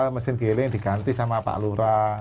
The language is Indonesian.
mesin giling diganti sama pak lura